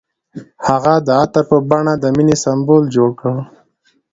هغه د عطر په بڼه د مینې سمبول جوړ کړ.